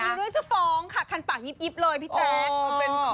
ดูด้วยเจ้าฟองค่ะคันปากยิบเลยพี่แจ๊ก